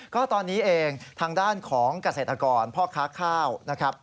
ก็ตอนนี้เองทางด้านของเกษตรกรพ่อค้าข้าวนะครับ